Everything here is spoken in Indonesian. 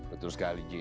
betul sekali ji